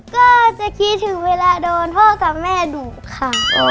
ก็จะคิดถึงเวลาโดนพ่อกับแม่ดุค่ะ